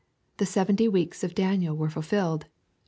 The seventy weeks of .Daniel were fulfilled.